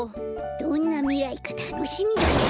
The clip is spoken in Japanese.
どんなみらいかたのしみだな。